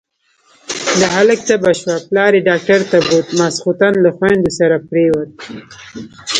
د هلک تبه شوه، پلار يې ډاکټر ته بوت، ماسختن له خويندو سره پرېووت.